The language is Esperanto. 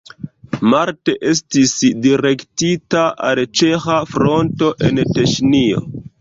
Marte estis direktita al ĉeĥa fronto en Teŝinio.